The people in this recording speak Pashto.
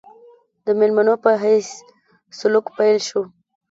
د مېلمنو په حیث سلوک پیل شو.